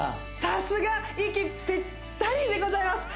さすが息ぴったりでございます